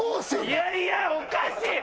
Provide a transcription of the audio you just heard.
いやいやおかしい。